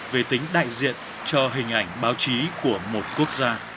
về tính đại diện cho hình ảnh báo chí của một quốc gia